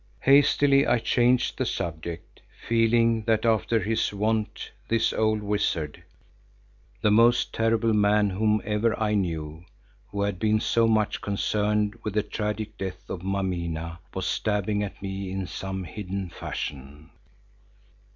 Hastily I changed the subject, feeling that after his wont this old wizard, the most terrible man whom ever I knew, who had been so much concerned with the tragic death of Mameena, was stabbing at me in some hidden fashion.